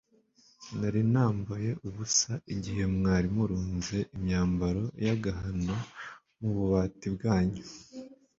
Nari nambaye ubusa igihe mwari murunze imyambaro y'agahano mu bubati bwanyu.